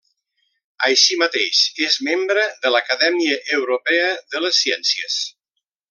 Així mateix és membre de l'Acadèmia Europea de les Ciències.